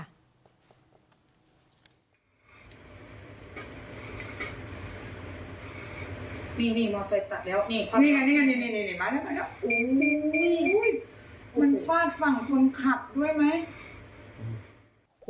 นี่มอเตอร์ไซค์ตัดแล้วนี่มากแล้ว